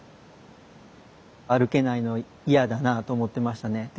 歩けないの嫌だなと思ってましたね。